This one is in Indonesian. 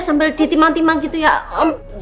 sambil ditimang timang gitu ya